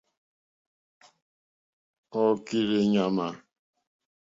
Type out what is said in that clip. Ɔ́ kírzɛ́ è ŋmánà.